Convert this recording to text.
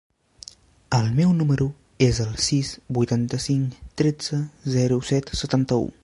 El meu número es el sis, vuitanta-cinc, tretze, zero, set, setanta-u.